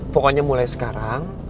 pokoknya mulai sekarang